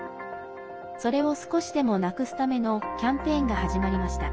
それを少しでもなくすためのキャンペーンが始まりました。